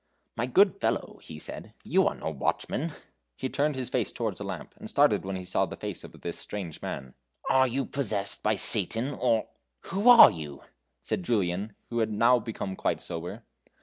"My good fellow," he said, "you are no watchman." He turned his face towards a lamp, and started when he saw the face of this strange man. "Are you possessed by Satan, or...Who are you?" said Julian, who had now become quite sober.